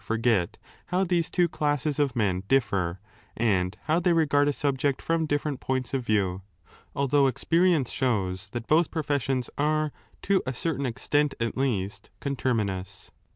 forget how these two classes of men differ and how they regard a subject from different points of view, although experience shows that both professions are, to a certain extent at least, conterminous.